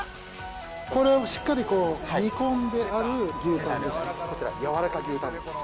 これはしっかり煮込んである牛タンです。